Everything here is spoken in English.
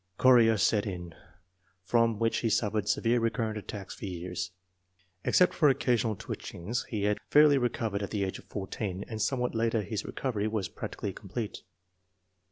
Chorea set in, from which he suffered severe recurrent attacks for years. Except for occasional twitchings, he had fairly recovered at the age of 14, and somewhat later his recovery was practically complete.